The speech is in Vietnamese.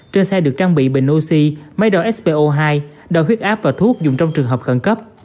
trên xe được trang bị bệnh oxy máy đòi spo hai đòi huyết áp và thuốc dùng trong trường hợp khẩn cấp